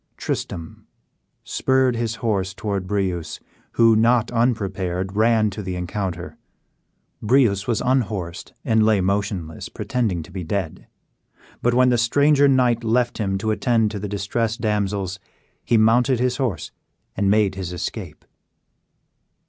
Tristram spurred his horse towards Breuse, who, not unprepared, ran to the encounter. Breuse was unhorsed, and lay motionless, pretending to be dead; but when the stranger knight left him to attend to the distressed damsels, he mounted his horse, and made his escape.